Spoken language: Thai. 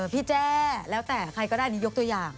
พี่แจ้แล้วแต่ใครก็ได้ยกตัวอย่าง